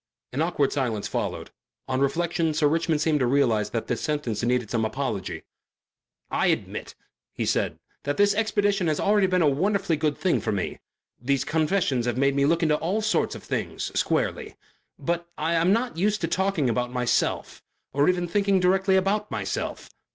An awkward silence followed. On reflection Sir Richmond seemed to realize that this sentence needed some apology. "I admit," he said, "that this expedition has already been a wonderfully good thing for me. These confessions have made me look into all sorts of things squarely. But I'm not used to talking about myself or even thinking directly about myself.